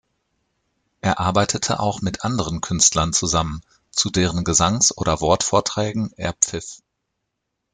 Er arbeitete auch mit anderen Künstlern zusammen, zu deren Gesangs- oder Wort-Vorträgen er pfiff.